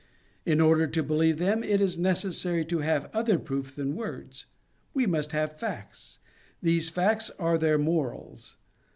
In order to believe them, it is necessary to have other proof than words; we must have facts. These facts are their morals.